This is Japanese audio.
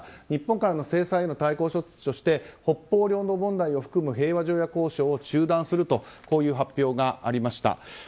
日本からの制裁への対抗措置として北方領土問題を含む平和条約交渉を中断するという発表がありました。